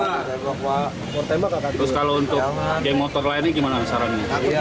terus kalau untuk geng motor lainnya gimana sarannya